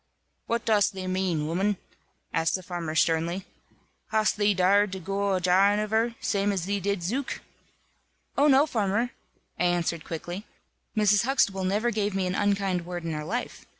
"What dost thee mane, 'ooman?" asked the farmer, sternly, "hast thee darr'd to goo a jahing of her, zame as thee did Zuke?" "Oh, no, farmer!" I answered, quickly, "Mrs. Huxtable never gave me an unkind word in her life.